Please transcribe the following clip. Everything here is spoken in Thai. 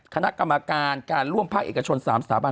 คณะกรรมการการร่วมภาคเอกชน๓สถาบัน